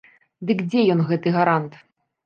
Дык дзе ён, гэты гарант?